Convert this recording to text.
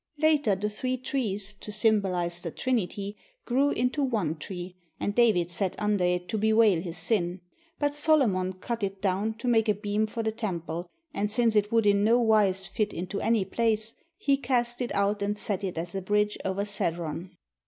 Later the three trees, to symbolize the Trinity, grew into one tree, and David sat under it to bewail his sin. But Solomon cut it down to make a beam for the Temple, and since it would in no wise fit into any place, he cast it out and set it as a bridge over Cedron.